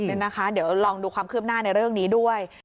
เดี๋ยวลองดูความคืบหน้าในเรื่องนี้ด้วย